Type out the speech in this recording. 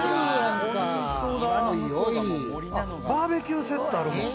バーベキューセットあるもん。